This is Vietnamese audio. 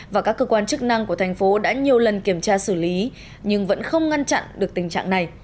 và các cơ quan chức năng của thành phố đã nhiều lần kiểm tra xử lý nhưng vẫn không ngăn chặn được tình trạng này